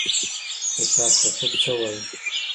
خوشحال خټک څه وايي؟